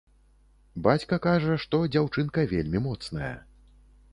Бацька кажа, што дзяўчынка вельмі моцная.